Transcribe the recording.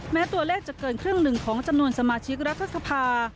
แม้ตัวเลขจะเกินครึ่งหนึ่งของจำนวนสมาชิกรัฐสภา